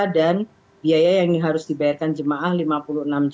dan biaya yang harus dibayarkan jemaah rp lima puluh enam